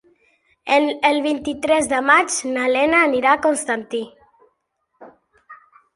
El vint-i-tres de maig na Lena anirà a Constantí.